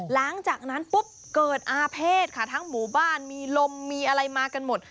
หลังจากนั้นปุ๊บเกิดอาเภษค่ะทั้งหมู่บ้านมีลมมีอะไรมากันหมด